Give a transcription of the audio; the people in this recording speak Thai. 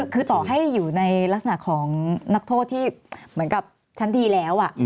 คือต่อให้อยู่ในลักษณะของนักโทษที่เหมือนกับชั้นดีแล้ว